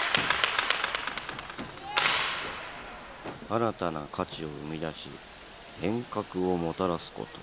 新たな価値を生み出し変革をもたらすこと。